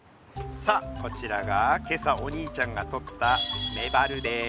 さあこちらが今朝お兄ちゃんがとったメバルです。